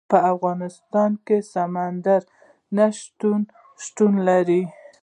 په افغانستان کې سمندر نه شتون شتون لري.